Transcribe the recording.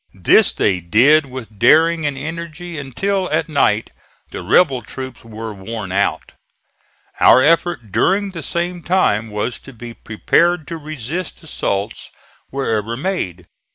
This they did with daring and energy, until at night the rebel troops were worn out. Our effort during the same time was to be prepared to resist assaults wherever made.